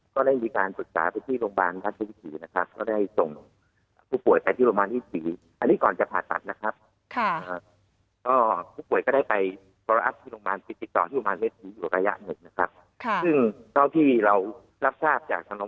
คุณหมอในปลายเดือนกันยานเนี่ยน่าจะเป็นปลายเดือนกันยานครับ